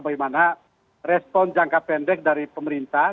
bagaimana respon jangka pendek dari pemerintah